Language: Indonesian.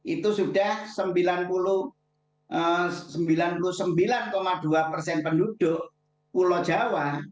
itu sudah sembilan puluh sembilan dua persen penduduk pulau jawa